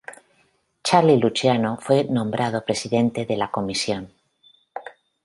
Charlie Luciano fue nombrado presidente de la Comisión.